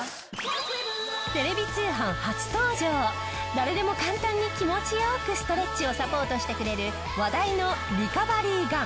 誰でも簡単に気持ち良くストレッチをサポートしてくれる話題のリカバリーガン！